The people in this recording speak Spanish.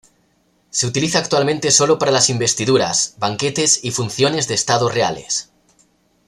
Se utiliza actualmente solo para las investiduras, banquetes y funciones de Estado reales.